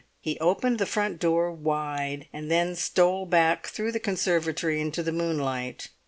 He opened the front door wide, and then stole back through the conservatory into the moonlight.